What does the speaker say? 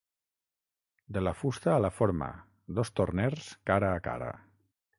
"De la fusta a la forma: dos torners cara a cara"